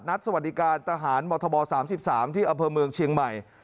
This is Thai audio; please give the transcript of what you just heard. สวัสดีการทหารมธบ๓๓ที่อำเภอเมืองเชียงใหม่